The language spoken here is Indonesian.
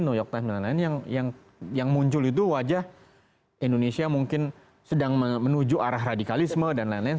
new york time dan lain lain yang muncul itu wajah indonesia mungkin sedang menuju arah radikalisme dan lain lain